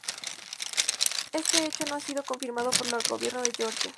Este hecho no ha sido confirmado por el gobierno de Georgia.